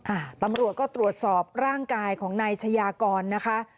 อ่าตำรวจก็ตรวจสอบร่างกายของนายชายากรนะคะ